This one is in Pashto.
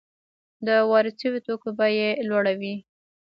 د وارد شویو توکو بیه یې لوړه وي